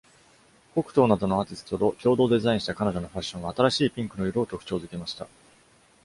コクトーなどのアーティストと共同デザインした彼女のファッションは、新しいピンクの色を特徴づけました。